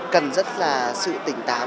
cần rất là sự tỉnh táo